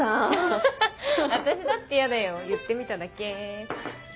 ハハハ私だってやだよ言ってみただけ。